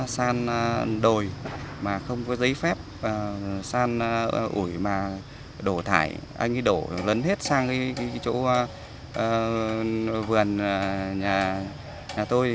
san đồi mà không có giấy phép san ủi mà đổ thải anh ấy đổ lấn hết sang chỗ vườn nhà tôi